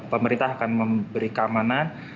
pemerintah akan memberi keamanan